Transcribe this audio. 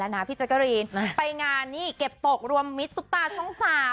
นะพี่เจศ์กะเรนไปงานนี้เก็บโต๊ะรวมมิตรสุปตาช่องสาม